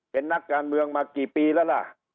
เป็นนักการเมืองมากี่ปีแล้วล่ะ